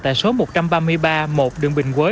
tại số một trăm ba mươi ba một đường bình quế